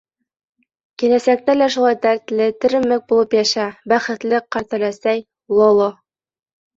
Киләсәктә лә шулай дәртле, теремек булып йәшә, бәхетле ҡартөләсәй — лоло!